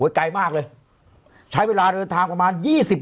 โอ้ยไกลมากเลยใช้เวลาเดินทางประมาณ๒๙